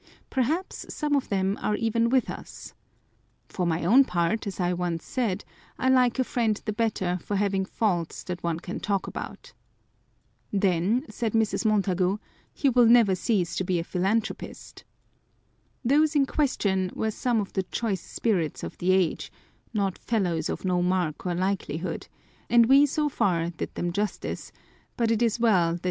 Perhaps some of them are even with us. For my own part, as I once said, I like a friend the better for having faults that one can talk about. " Then," said Mrs. Montagu, " you will never cease to be a philanthropist 1" Those in question were some of the choice spirits of the age, not " fellows of no mark or likelihood ;" and we so far did them justice : but it is well they did not hear what we sometimes said of them.